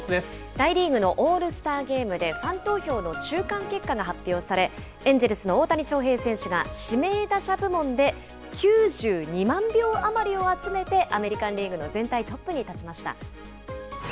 大リーグのオールスターゲームで、ファン投票の中間結果が発表され、エンジェルスの大谷翔平選手が、指名打者部門で９２万票余りを集めて、アメリカンリーグの全体トップに立ちました。